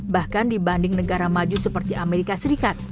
bahkan dibanding negara maju seperti amerika serikat